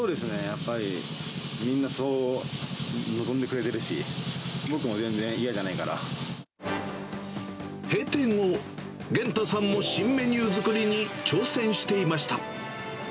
やっぱり、みんな、そう望んでくれてるし、僕も全然嫌じゃないか閉店後、玄太さんも新メニュー作りに挑戦していました。